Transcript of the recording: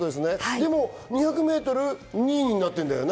でも２００ｍ、２位になってるんだよね。